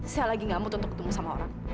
saya lagi nggak amut untuk ketemu sama orang